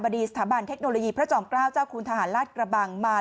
ดีสถาบันเทคโนโลยีพระจอมเกล้าเจ้าคุณทหารราชกระบังมา